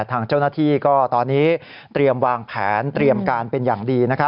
ทางเจ้าหน้าที่ก็ตอนนี้เตรียมวางแผนเตรียมการเป็นอย่างดี